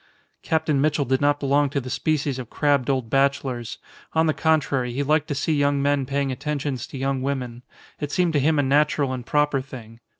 Captain Mitchell did not belong to the species of crabbed old bachelors; on the contrary, he liked to see young men paying attentions to young women. It seemed to him a natural and proper thing.